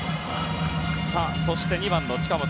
そして、２番の近本。